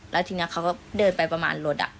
แล้วทีนี้เขาก็เดินไปประมาณรถ